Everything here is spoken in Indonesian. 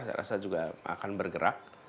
saya rasa juga akan bergerak